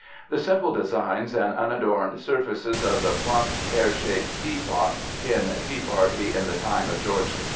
The simple designs and unadorned surfaces of the plump pear shaped teapot in Tea Party in the Time of George I (fig.